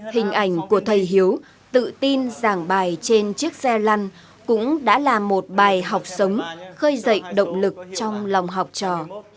hình ảnh của thầy hiếu tự tin giảng bài trên chiếc xe lăn cũng đã là một bài học sống khơi dậy động lực trong lòng học trò